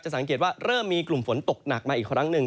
สังเกตว่าเริ่มมีกลุ่มฝนตกหนักมาอีกครั้งหนึ่ง